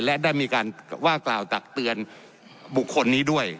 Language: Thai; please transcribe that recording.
และได้มีการว่ากล่าวตักเตือนบุคคลนี้ด้วย